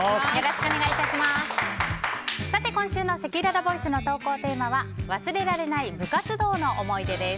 今週のせきららボイスの投稿テーマは忘れられない部活動の思い出です。